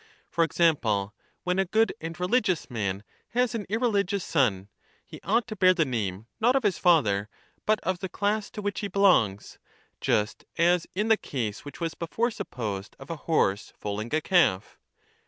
for example, when a good and religious man has an irreligious son, he ought to bear the name not of his father, but of the class to which he belongs, just as in the case which was before supposed of a horse foaling a calf.